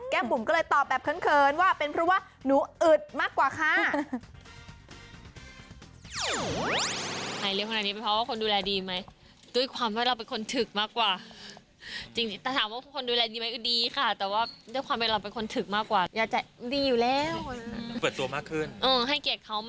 บุ๋มก็เลยตอบแบบเขินว่าเป็นเพราะว่าหนูอึดมากกว่าค่ะ